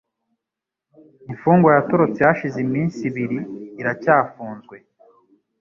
Imfungwa yatorotse hashize iminsi ibiri iracyafunzwe.